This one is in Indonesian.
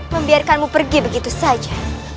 membiarkanmu pergi begitu saja